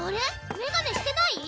メガネしてない？